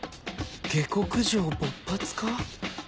下克上勃発か？